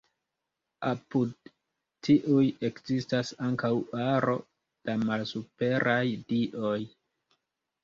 Apud tiuj ekzistas ankaŭ aro da malsuperaj dioj.